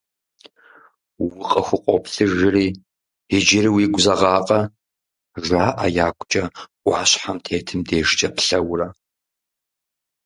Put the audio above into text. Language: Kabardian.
Укъыхукъуоплъыжри, иджыри уигу зэгъакъэ?! — жаӏэ ягукӏэ ӏуащхьэм тетым дежкӏэ плъэурэ.